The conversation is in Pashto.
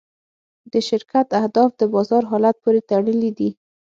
د شرکت اهداف د بازار حالت پورې تړلي دي.